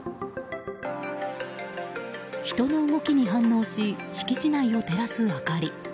人の動きに反応し敷地内を照らす明かり。